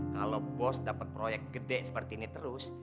kalau bos dapat proyek gede seperti ini terus